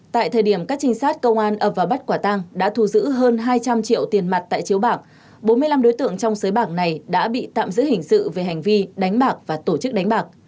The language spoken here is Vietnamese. tại thời điểm các trinh sát công an ập vào bắt quả tang đã thu giữ hơn hai trăm linh triệu tiền mặt tại chiếu bạc bốn mươi năm đối tượng trong sới bạc này đã bị tạm giữ hình sự về hành vi đánh bạc và tổ chức đánh bạc